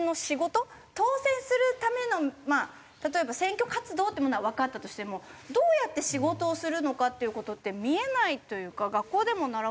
当選するためのまあ例えば選挙活動ってものはわかったとしてもどうやって仕事をするのかっていう事って見えないというか学校でも習わない。